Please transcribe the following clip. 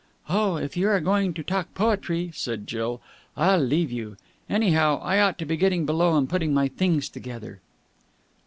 "Oh, if you are going to talk poetry," said Jill, "I'll leave you. Anyhow, I ought to be getting below and putting my things together."